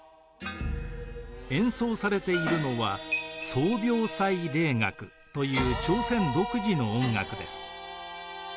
演奏されているのは宗廟祭礼楽という朝鮮独自の音楽です。